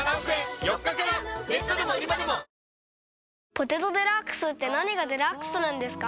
「ポテトデラックス」って何がデラックスなんですか？